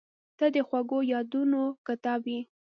• ته د خوږو یادونو کتاب یې.